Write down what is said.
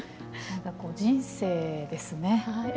人生ですね。